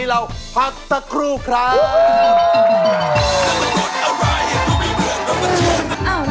หลอกไม่ได้แน่นอน